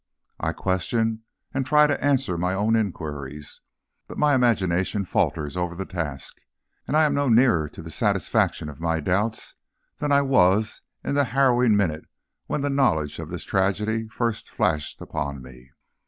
I question, and try to answer my own inquiries, but my imagination falters over the task, and I am no nearer to the satisfaction of my doubts than I was in the harrowing minute when the knowledge of this tragedy first flashed upon me.